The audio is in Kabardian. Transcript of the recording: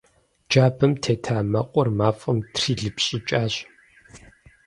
Джабэм тета мэкъур мафӀэм трилыпщӀыкӀащ.